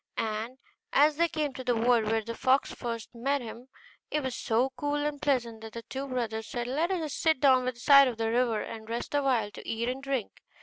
And as they came to the wood where the fox first met them, it was so cool and pleasant that the two brothers said, 'Let us sit down by the side of the river, and rest a while, to eat and drink.